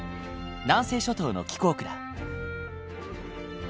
南西諸島の気候区だ。